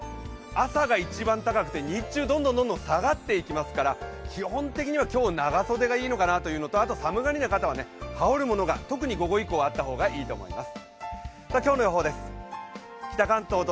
朝が一番高くて日中どんどん下がっていきますから、基本的には今日は長袖がいいのかなというのと寒がりの方は羽織るものが、特に午後以降はあった方がいいと思います。